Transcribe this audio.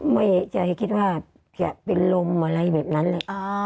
ไม่เอกใจคิดว่าแถวล้มอะไรแบบนั้นเลย